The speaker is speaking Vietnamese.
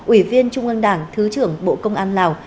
ủy viên trung ương đảng thứ trưởng bộ công an lào